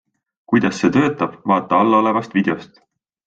Kuidas see töötab, vaata allolevast videost.